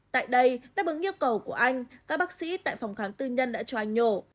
tại đây đáp ứng yêu cầu của anh các bác sĩ tại phòng khám tư nhân đã cho anh nhổ